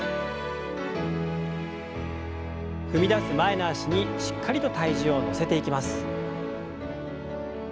踏み出す前の脚にしっかりと体重を乗せていきます。